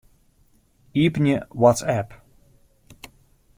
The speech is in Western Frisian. Iepenje WhatsApp.